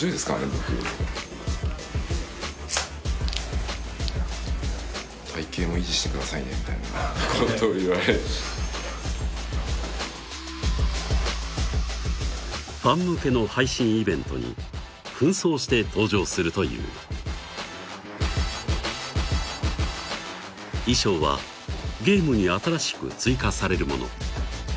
僕「体形も維持してくださいね」みたいなことを言われファン向けの配信イベントに扮装して登場するという衣装はゲームに新しく追加されるもの